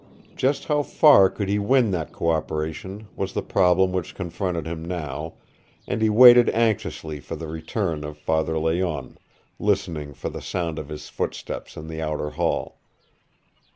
Just how far he could win that cooperation was the problem which confronted him now, and he waited anxiously for the return of Father Layonne, listening for the sound of his footsteps in the outer hall.